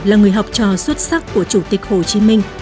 là người học trò xuất sắc của chủ tịch hồ chí minh